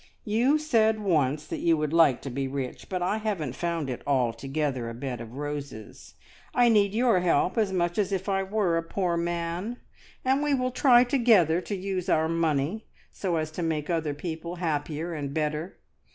You said once that you would like to be rich, but I haven't found it altogether a bed of roses. I need your help at least as much as if I were a poor man, and we will try together to use our money so as to make other people happier and better.